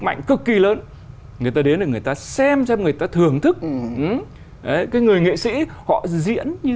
khỏe rất kỳ lớn người ta đến là người ta xem cho người ta thưởng thức cái người nghệ sĩ họ diễn như